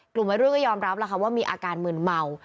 กลุ่มวัยรุ่นก็ยอมรับแล้วค่ะว่ามีอาการมืนเมา